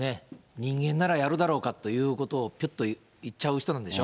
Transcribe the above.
人間ならやるだろうかということを、ぴょっと言っちゃう人なんでしょ。